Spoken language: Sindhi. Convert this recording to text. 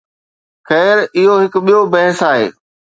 خير، اهو هڪ ٻيو بحث آهي.